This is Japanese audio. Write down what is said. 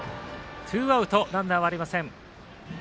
ツーアウトランナーはありません。